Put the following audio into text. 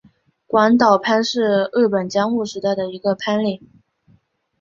广岛藩是日本江户时代的一个藩领。